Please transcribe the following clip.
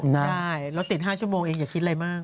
ได้รถติด๕ชั่วโมงเองอย่าคิดอะไรมาก